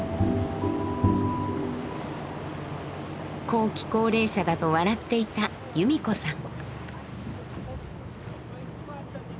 後期高齢者だと笑っていた由美子さん。